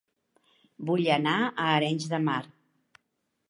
Vull anar a Arenys de Mar